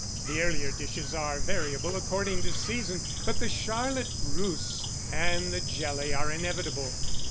(The earlier dishes are variable according to season, but the Charlotte russe and the jelly are inevitable.)